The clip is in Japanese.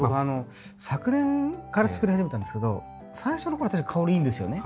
昨年から作り始めたんですけど最初の頃確かに香りいいんですよね。